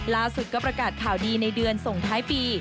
ล่าสุดก็ประกาศข่าวดีในเดือนส่งท้ายปี